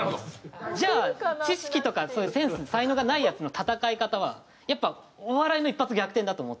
じゃあ知識とかそういうセンス才能がないヤツの戦い方はやっぱお笑いの一発逆転だと思って。